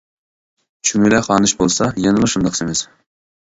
چۈمۈلە خانىش بولسا يەنىلا شۇنداق سېمىز.